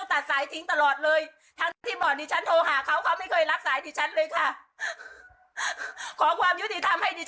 ขอความยุติธรรมให้ดิฉันด้วยนะคะ